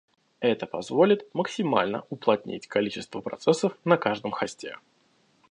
Это позволит максимально уплотнить количество процессов на каждом хосте